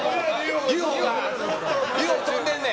ＵＦＯがずっと飛んでんねん。